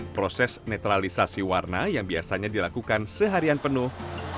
proses netralisasi warna yang biasanya dilakukan seharian penuh